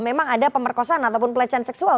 memang ada pemerkosaan ataupun pelecehan seksual